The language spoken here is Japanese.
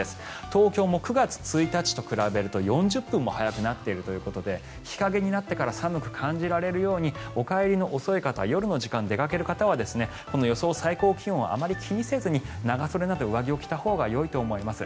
東京も９月１日と比べると４０分も早くなっているということで日陰になってから寒く感じられるようにお帰りの遅い方夜の時間、出かける方は予想最高気温をあまり気にせずに長袖など、上着を着たほうがいいと思います。